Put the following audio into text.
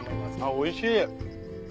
おいしい。